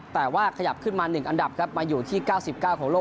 แต่ว่าขยับขึ้นมา๑อันดับครับมาอยู่ที่๙๙ของโลก